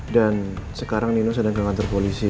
dan sekarang nino sedang ke kantor polisi